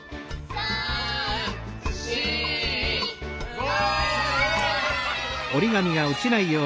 ３４５！